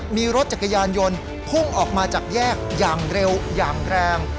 มีรถจักรยานยนต์พุ่งออกมาจากแยกอย่างเร็วอย่างแรง